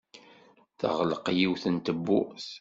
Teɣleq yiwet n tewwurt.